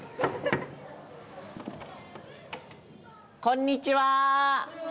こんにちは。